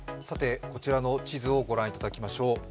こちらの地図を御覧いただきましょう。